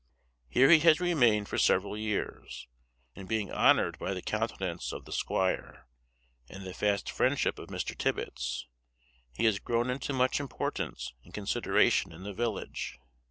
Here he has remained for several years, and being honoured by the countenance of the squire, and the fast friendship of Mr. Tibbets, he has grown into much importance and consideration in the village.